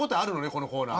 このコーナー。